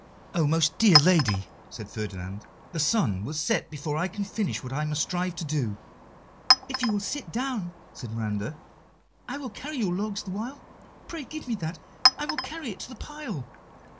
"Oh, most dear lady!" said Ferdinand, "the sun will set before I can finish what I must strive to do." "If you will sit down," said Miranda, "I will carry your logs the while. Pray give me that; I will carry it to the pile."